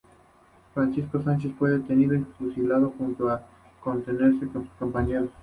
Francisco Sánchez fue detenido y fusilado, junto a centenares de sus compañeros.